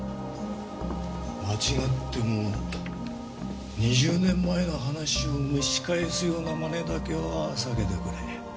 間違っても２０年前の話を蒸し返すような真似だけは避けてくれ。